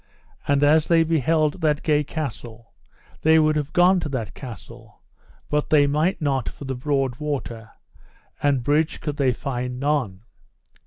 And as they beheld that gay castle they would have gone to that castle, but they might not for the broad water, and bridge could they find none.